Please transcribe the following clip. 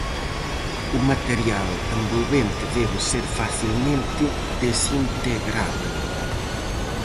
O material envolvente debe ser facilmente desintegrábel.